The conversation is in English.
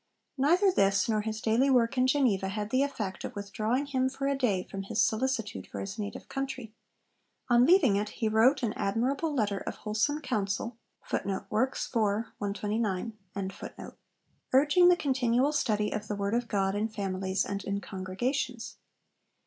Neither this, nor his daily work in Geneva, had the effect of withdrawing him for a day from his solicitude for his native country. On leaving it he wrote an admirable 'Letter of Wholesome Counsel' urging the continual study of the word of God in families and in congregations.